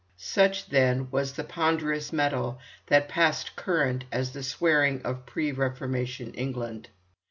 Such, then, was the ponderous metal that passed current as the swearing of pre Reformation England.